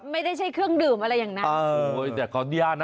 ไม่ใช่เครื่องดื่มอะไรอย่างนั้น